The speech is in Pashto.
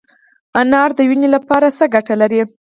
انار د وینې لپاره څه ګټه لري؟